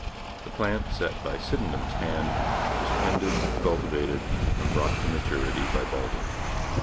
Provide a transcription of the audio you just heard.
The plant set by Sydenham's hand was tended, cultivated, and brought to maturity by Baldwin.